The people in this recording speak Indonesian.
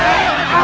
eh lo nyari masalah